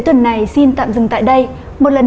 tuần này xin tạm dừng tại đây một lần